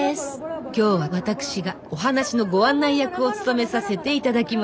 今日は私がお話のご案内役を務めさせて頂きます。